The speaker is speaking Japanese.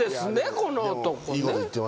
この男ね。